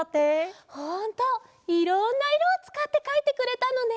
ほんといろんないろをつかってかいてくれたのね。